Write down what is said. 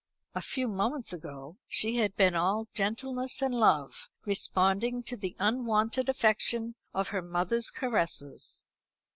A few moments ago she had been all gentleness and love, responding to the unwonted affection of her mother's caresses.